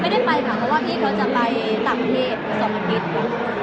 ไม่ได้ไปค่ะเพราะว่าพี่เขาจะไปต่างเพศสรรค์อังกฤษ